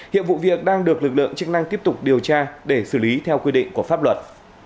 hiện vụ việc đang được lực lượng chức năng tiếp tục điều tra để xử lý theo quy định của pháp luật